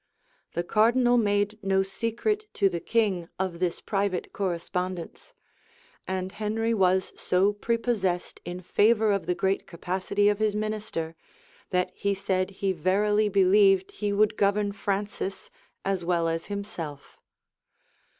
The cardinal made no secret to the king of this private correspondence; and Henry was so prepossessed in favor of the great capacity of his minister, that he said he verily believed he would govern Francis as well as himself.